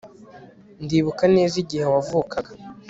ndibuka neza igihe wavukaga